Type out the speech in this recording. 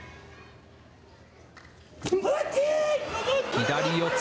左四つ。